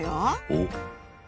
おっ！